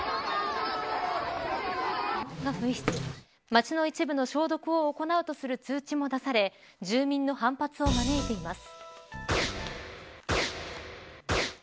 街の一部の消毒を行うという通知も出され住民の反発を招いています。